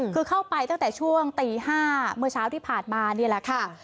คือเข้าไปตั้งแต่ช่วงตี๕เมื่อเช้าที่ผ่านมานี่แหละค่ะ